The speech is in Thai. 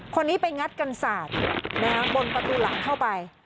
คนนี้ไปงัดกันสาดบนประตูหลังเข้าไป